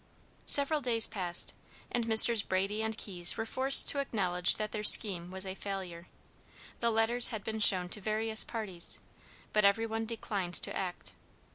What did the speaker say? Several days passed, and Messrs. Brady and Keyes were forced to acknowledge that their scheme was a failure. The letters had been shown to various parties, but every one declined to act.